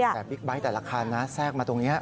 แต่บิ๊กไบท์แต่ละคันนะแทรกมาตรงนี้